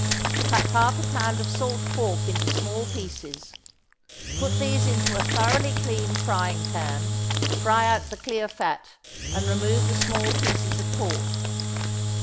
Cut half a pound of salt pork into small pieces; put these into a thoroughly clean frying pan; fry out the clear fat, and remove the small pieces of pork.